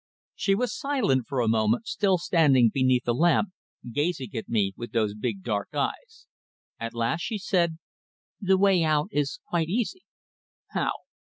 She was silent for a moment, still standing beneath the lamp, gazing at me with those big, dark eyes. At last she said: "The way out is quite easy." "How?"